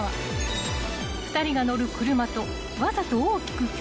［２人が乗る車とわざと大きく距離をあけ］